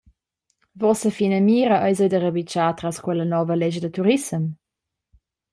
Vossa finamira eis ei da rabitschar tras quella nova lescha da turissem?